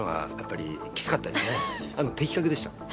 的確でした。